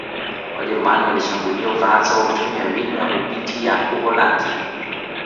Wajerumani walishambulia Ufaransa kwa kutumia mbinu ya kupitia Uholanzi